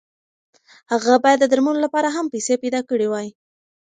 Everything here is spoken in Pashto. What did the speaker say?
هغه باید د درملو لپاره هم پیسې پیدا کړې وای.